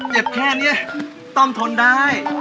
เจ็บแค่นี้ต้องทนได้